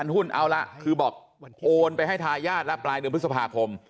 หุ้นเอาละคือบอกโอนไปให้ทายาทแล้วปลายเดือนพฤษภาคม